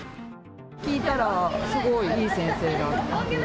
聞いたら、すごいいい先生だっていう。